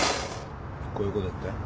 こういうことって？